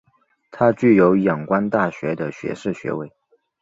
他具有仰光大学的学士学位。